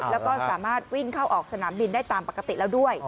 แล้วก็สามารถวิ่งเข้าออกสนามบินได้ตามปกติแล้วด้วย